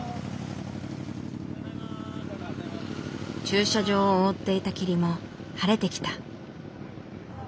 駐車場を覆っていた霧も晴れてきた。